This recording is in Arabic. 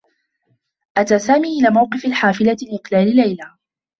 أتى سامي إلى موقف الحافلة لإقلال ليلى.